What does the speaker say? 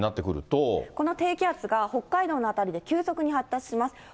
この低気圧が北海道の辺りで急速に発達します。